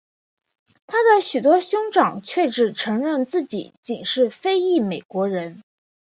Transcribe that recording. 他的许多兄长却只承认自己仅是非裔美国人。